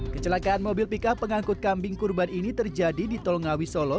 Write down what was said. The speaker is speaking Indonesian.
kecelakaan mobil pickup pengangkut kambing kurban ini terjadi di tol ngawi solo